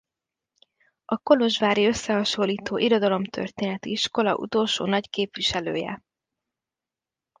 A kolozsvári összehasonlító irodalomtörténeti iskola utolsó nagy képviselője.